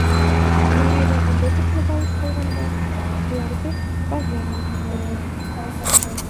Ярай ҙа ондо тоҡлап алып ҡалғандар, уларҙы баҙҙа ғына һаҡлайҙар.